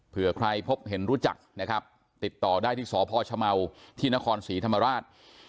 เพื่อใครพบเห็นรู้จักนะครับติดต่อได้ที่สพชเมาที่นครศรีธรรมราช